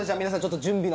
皆さん